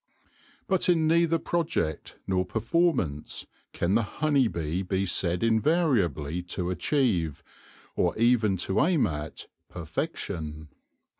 But in neither project nor performance can the honey bee be said invariably to achieve, or even to aim at, perfection.